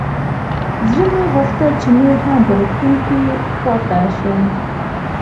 زړه مې غوښتل چې نور هم په روغتون کښې پاته سم.